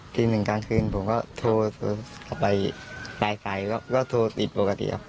ทีมหนึ่งกลางคืนผมก็โทรไปสายแล้วก็โทรติดปกติครับ